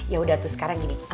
ya udah tuh sekarang gini